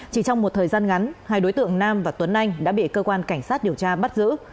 chỉ trong một thời gian ngắn hai đối tượng nam và tuấn anh đã bị cơ quan cảnh sát điều tra bắt giữ